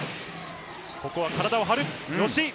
ここは体を張る。